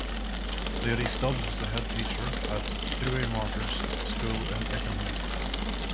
Lady Stubbs was the headteacher at Douay Martyrs School in Ickenham.